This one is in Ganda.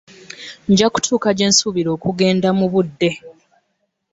Nja kutuuka gye nsuubira okugenda mu budde.